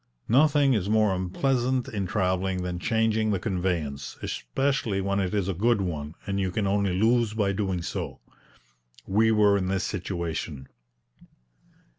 Nothing is more unpleasant in travelling than changing the conveyance, especially when it is a good one, and you can only lose by doing so. We were in this situation.